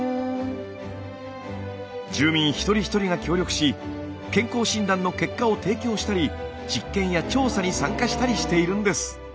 住民一人一人が協力し健康診断の結果を提供したり実験や調査に参加したりしているんです。